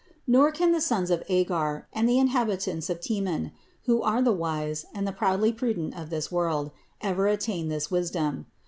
Nor can the sons of Agar and the inhabitants of Teman, who are the wise and the proudly prudent of this world, ever attain this wisdom.